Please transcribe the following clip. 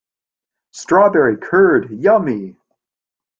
Strawberry curd, yummy!